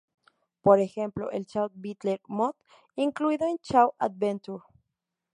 Por ejemplo el Chao Battle mode incluido en Chao Adventure.